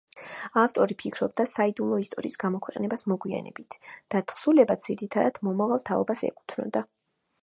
ავტორი ფიქრობდა საიდუმლო ისტორიის გამოქვეყნებას მოგვიანებით და თხზულებაც ძირითადად მომავალ თაობას ეკუთვნოდა.